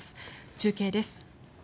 中継です。